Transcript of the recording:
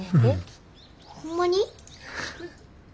ホンマに？